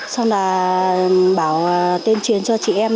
sau đó bảo tên chuyên cho chị em